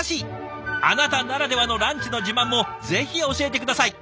あなたならではのランチの自慢もぜひ教えて下さい。